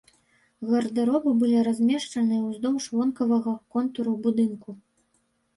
Гардэробы былі размешчаныя ўздоўж вонкавага контуру будынку.